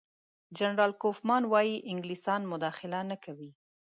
جنرال کوفمان وايي انګلیسان مداخله نه کوي.